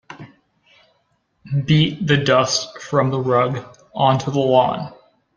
Beat the dust from the rug onto the lawn.